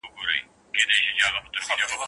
ساقي هوښیار یمه څو چېغي مي د شور پاته دي